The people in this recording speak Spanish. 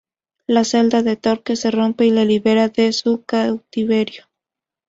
La celda de Torque se rompe y lo libera de su cautiverio.